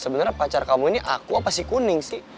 sebenernya pacar kamu ini aku apa si kuning sih